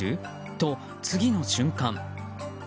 と、次の瞬間。